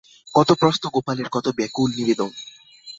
কত প্রশ্ন গোপালের, কত ব্যাকুল নিবেদন।